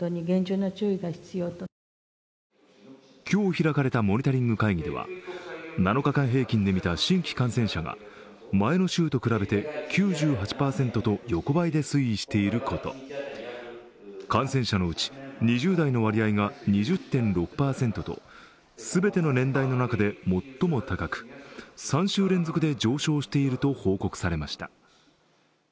今日開かれたモニタリング会議では７日間平均で見た新規感染者が前の週と比べて９８％と横ばいで推移していること、感染者のうち２０代の割合が２０．６％と全ての年代の中で最も高く、３週連続で上昇していると報告されました。